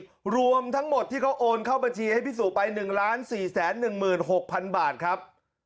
รวมทั้งหมดที่เขาโอนเข้าบัญชีให้พี่สุไป๑๔๑๖๐๐๐บาทครับ